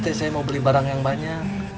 nanti saya mau beli barang yang banyak